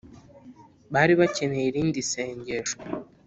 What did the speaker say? bari bakeneye irindi sengesho